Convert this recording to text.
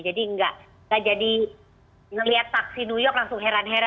jadi gak jadi ngeliat taksi new york langsung heran heran